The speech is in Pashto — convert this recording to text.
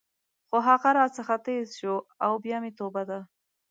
خو هغه راڅخه ټیز شو او بیا مې توبه ده.